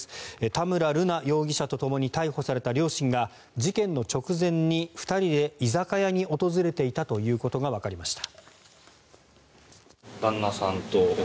田村瑠奈容疑者とともに逮捕された両親が事件の直前に２人で居酒屋に訪れていたということがわかりました。